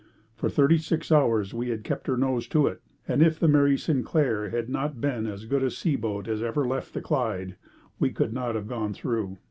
For thirty six hours we had kept her nose to it, and if the Mary Sinclair had not been as good a seaboat as ever left the Clyde, we could not have gone through.